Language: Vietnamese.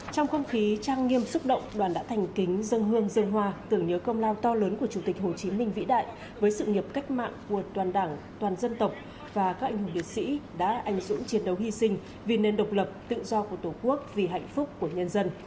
trong không khí trang nghiêm xúc động đoàn đã thành kính dân hương dân hoa tưởng nhớ công lao to lớn của chủ tịch hồ chí minh vĩ đại với sự nghiệp cách mạng của toàn đảng toàn dân tộc và các anh hùng liệt sĩ đã anh dũng chiến đấu hy sinh vì nền độc lập tự do của tổ quốc vì hạnh phúc của nhân dân